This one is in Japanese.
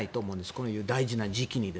こういう大事な時期に。